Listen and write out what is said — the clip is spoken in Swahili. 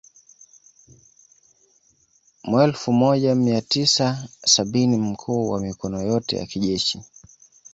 Mwelfu moja mia tisa sabini mkuu wa mikono yote ya kijeshi